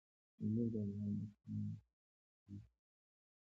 پامیر د افغان ماشومانو د زده کړې یوه موضوع ده.